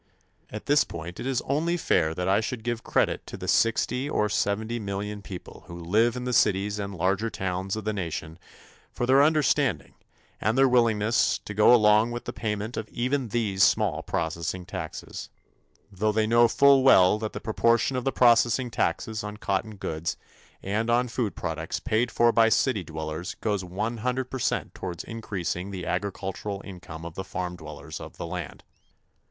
At this point it is only fair that I should give credit to the sixty or seventy million people who live in the cities and larger towns of the nation for their understanding and their willingness to go along with the payment of even these small processing taxes, though they know full well that the proportion of the processing taxes on cotton goods and on food products paid for by city dwellers goes 100 percent towards increasing the agricultural income of the farm dwellers of the land.